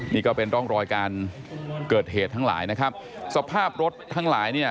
นี่ก็เป็นร่องรอยการเกิดเหตุทั้งหลายนะครับสภาพรถทั้งหลายเนี่ย